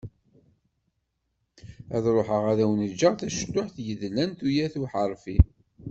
Ad ruḥeγ ad awen-ğğeγ tacluḥt, yedlen tuyat uḥerfi.